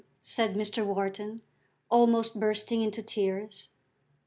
said Mr. Wharton, almost bursting into tears.